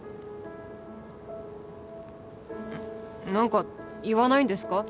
何か言わないんですか？